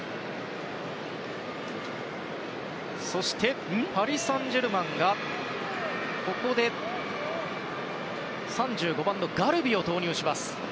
そしてパリ・サンジェルマンがここで３５番ガルビを投入します。